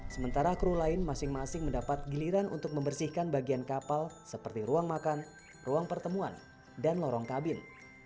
sementara kru lain masing masing mendapat giliran untuk membersihkan bagian kapal seperti ruang makan ruang pertemuan dan lorong kabin